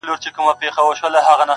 • په اُمید د مغفرت دي د کرم رحم مالِکه,